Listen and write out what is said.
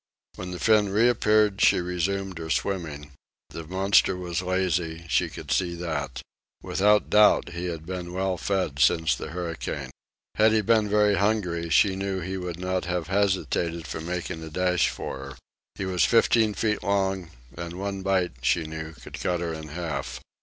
When the fin reappeared she resumed her swimming. The monster was lazy she could see that. Without doubt he had been well fed since the hurricane. Had he been very hungry, she knew he would not have hesitated from making a dash for her. He was fifteen feet long, and one bite, she knew, could cut her in half.